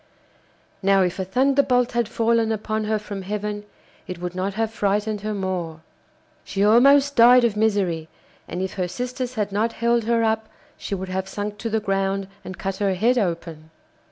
Now if a thunderbolt had fallen upon her from heaven it would not have frightened her more. She almost died of misery, and if her sisters had not held her up, she would have sunk to the ground and cut her head open.